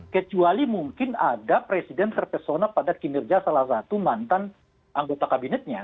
kecuali mungkin ada presiden terpesona pada kinerja salah satu mantan anggota kabinetnya